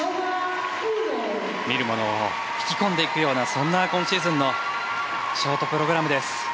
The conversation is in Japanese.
見る者を引き込んでいくようなそんな今シーズンのショートプログラムです。